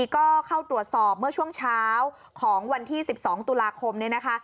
ก็เข้าตรวจสอบเมื่อช่วงเช้าของวันที่๑๒ตุลาคมเนี่ยนะคะ